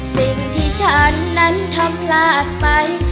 สิ่งที่ฉันนั้นทำพลาดไป